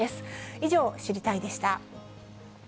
以上、知りたいッ！でした。